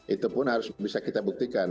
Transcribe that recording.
itu pun harus bisa kita buktikan